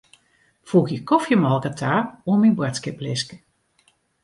Foegje kofjemolke ta oan myn boadskiplistke.